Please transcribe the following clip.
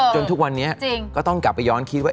ทุกวันนี้ก็ต้องกลับไปย้อนคิดว่า